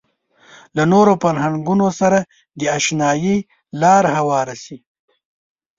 له نورو فرهنګونو سره د اشنايي لاره هواره شي.